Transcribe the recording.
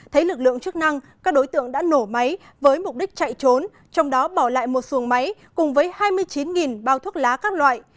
thấy lực lượng chức năng các đối tượng đã nổ máy với mục đích chạy trốn trong đó bỏ lại một xuồng máy cùng với hai mươi chín bao thuốc lá các loại